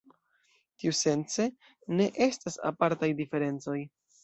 Tiusence, ne estas apartaj diferencoj.